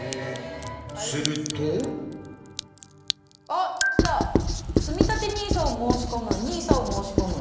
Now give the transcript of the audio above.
あっきた「つみたてＮＩＳＡを申し込む」「ＮＩＳＡを申し込む」。